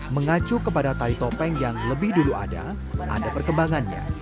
mengacu kepada tari topeng yang lebih dulu ada ada perkembangannya